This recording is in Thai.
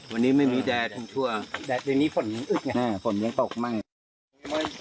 วันนี้ไม่มีแดดฟังชั่ว